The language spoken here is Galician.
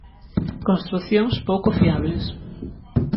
Construcións pouco fiables.